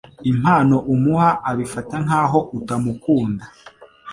impano umuha abifata nkaho utamukunda.